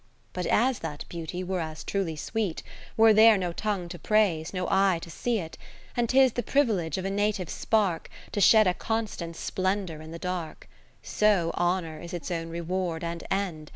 But as that Beauty were as truly sweet, Were there no tongue to praise, no eye to see 't ; And 'tis the privilege of a native Spark, To shed a constant splendour in the dark : So Honour is its own reward and end.